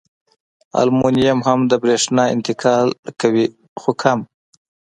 المونیم هم د برېښنا انتقال کوي خو کم.